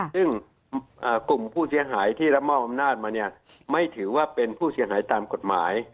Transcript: ซึ่งกลุ่มผู้เสียหายที่รับมอบอำนาจมาเนี่ยไม่ถือว่าเป็นผู้เสียหายตามกฎหมาย